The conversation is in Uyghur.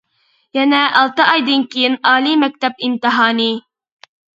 يەنە ئالتە ئايدىن كىيىن ئالىي مەكتەپ ئىمتىھانى.